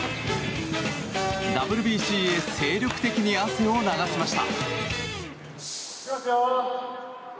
ＷＢＣへ精力的に汗を流しました。